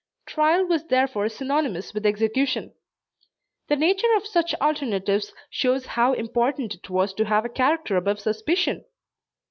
Trial was therefore synonymous with execution. The nature of such alternatives shows how important it was to have a character above suspicion!